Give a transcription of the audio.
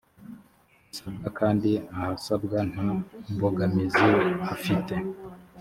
bisabwa kandi ahasabwa nta mbogamizi hafite